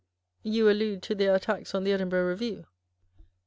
You allude to their attacks on the Edin burgh Review